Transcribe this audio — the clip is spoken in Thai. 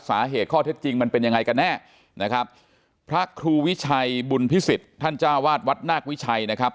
สาเหตุข้อเท็จจริงมันเป็นยังไงกันแน่นะครับพระครูวิชัยบุญพิสิทธิ์ท่านจ้าวาดวัดนาควิชัยนะครับ